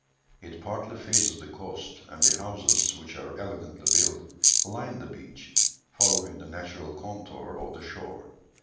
It partly faces the coast, and the houses, which are elegantly built, line the beach, following the natural contour of the shore.